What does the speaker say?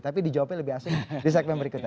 tapi dijawabnya lebih asing di segmen berikutnya